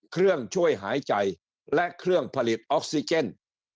เครื่องช่วยหายใจและเครื่องผลิตออกซิเจน